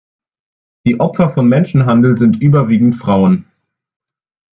Die Opfer von Menschenhandel sind überwiegend Frauen.